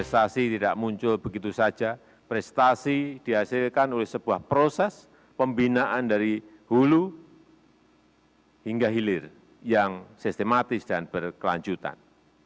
investasi tidak muncul begitu saja prestasi dihasilkan oleh sebuah proses pembinaan dari hulu hingga hilir yang sistematis dan berkelanjutan